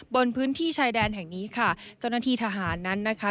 บนพื้นที่ชายแดนแห่งนี้ค่ะเจ้าหน้าที่ทหารนั้นนะคะ